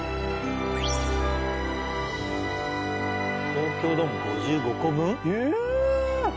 東京ドーム５５個分！？